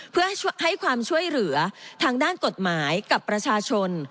เพื่อให้ความช่วยเหลือทางด้านกฎหมายกับประชาชน